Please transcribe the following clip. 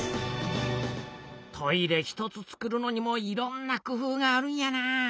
トイレ一つ作るのにもいろんなくふうがあるんやな。